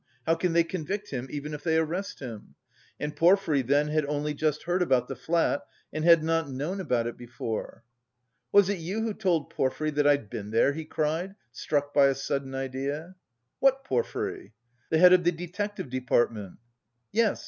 How can they convict him, even if they arrest him? And Porfiry then had only just heard about the flat and had not known about it before. "Was it you who told Porfiry... that I'd been there?" he cried, struck by a sudden idea. "What Porfiry?" "The head of the detective department?" "Yes.